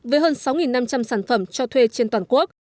với hơn sáu năm trăm linh sản phẩm cho thuê trên toàn quốc